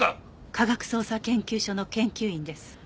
科学捜査研究所の研究員です。